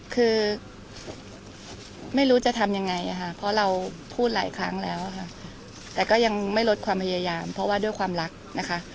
คือไม่รู้จะทำยังไงค่ะเพราะเราพูดหลายครั้งแล้วค่ะแต่ก็ยังไม่ลดความพยายามเพราะว่าด้วยความรักนะคะ